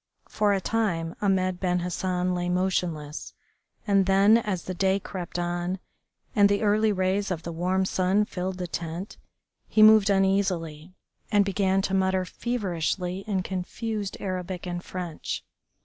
For a time Ahmed Ben Hassan lay motionless, and then, as the day crept on and the early rays of the warm sun filled the tent, he moved uneasily, and began to mutter feverishly in confused Arabic and French.